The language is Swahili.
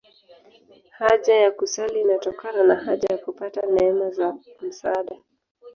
Haja ya kusali inatokana na haja ya kupata neema za msaada.